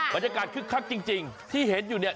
บรรยากาศคึกคักจริงที่เห็นอยู่เนี่ย